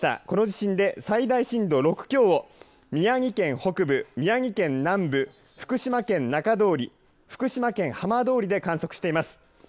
この地震で最大震度６強を宮城県北部、宮城県南部福島県中通り福島県浜通りで観測しています。